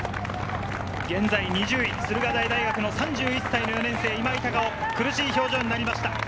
現在、２０位、駿河台大学の３１歳の４年生、今井隆生、苦しい表情になりました。